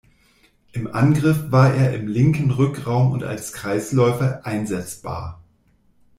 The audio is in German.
Im Angriff war er im linken Rückraum und als Kreisläufer einsetzbar.